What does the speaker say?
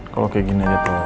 kalau kayak gini aja tolong